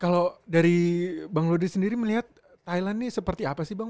kalau dari bang ludi sendiri melihat thailand ini seperti apa sih bang